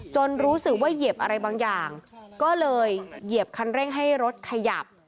รู้สึกว่าเหยียบอะไรบางอย่างก็เลยเหยียบคันเร่งให้รถขยับ